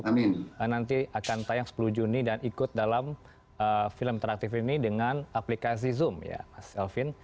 dan anda jangan lupa nanti akan tayang sepuluh juni dan ikut dalam film teraktif ini dengan aplikasi zoom ya mas alvin